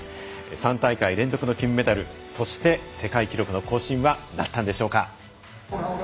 ３大会連続の金メダルそして、世界記録の更新はなったんでしょうか。